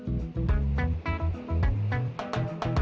ya ini salah aku